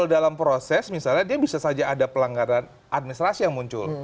kalau dalam proses misalnya dia bisa saja ada pelanggaran administrasi yang muncul